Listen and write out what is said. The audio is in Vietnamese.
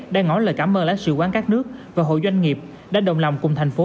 đang ngõ lời cảm ơn lãnh sự quán các nước và hội doanh nghiệp đã đồng lòng cùng thành phố